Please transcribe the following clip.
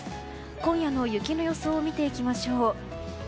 今夜の雪の予想を見ていきましょう。